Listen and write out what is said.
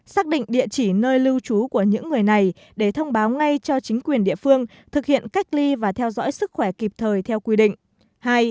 xác định địa chỉ nơi lưu trú của những người này để thông báo ngay cho chính quyền địa phương thực hiện cách ly và theo dõi sức khỏe kịp thời theo quy định